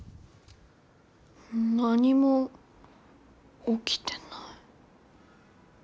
何もおきてない。